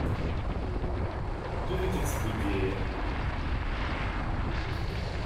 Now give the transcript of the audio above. Je vais t’expliquer…